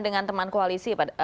dengan teman koalisi